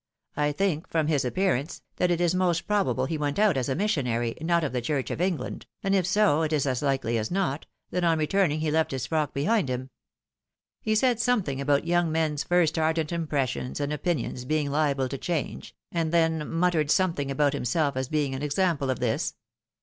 I think, from his appearance, that it is most probable he went out as a missionary — not of the Church of England, — and if so, it is as likely as not, that on returning he left his frock behind him. He said something about young men's first ardent impressions and opinions being liable to change, and then muttered something about himself as being an example of this.